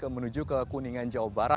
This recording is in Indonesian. menuju ke kuningan jawa barat